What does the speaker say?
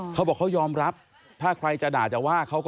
เขาบอกเขายอมรับถ้าใครน่ะจะว่ะ